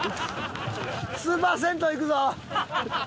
スーパー銭湯行くぞ！